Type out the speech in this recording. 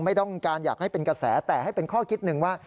ไม่ต้องการอยากให้เป็นกระแสแต่ให้เป็นข้อคิดหนึ่งว่า